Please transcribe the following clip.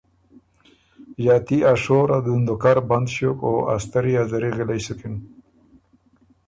ݫاتی ا شور ا دُندُوکر بند ݭیوک ا ستری ا زری غِلئ سُکِن